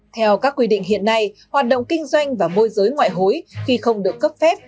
theo các quy định hiện nay hoạt động kinh doanh và môi giới ngoại hối khi không được cấp phép